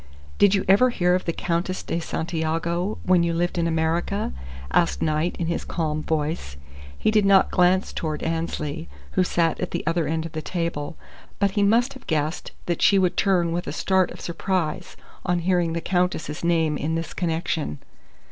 "Did you ever hear of the Countess de Santiago, when you lived in America?" asked Knight in his calm voice. He did not glance toward Annesley, who sat at the other end of the table, but he must have guessed that she would turn with a start of surprise on hearing the Countess's name in this connection.